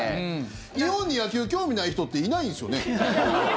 日本に野球興味ない人っていないですよね？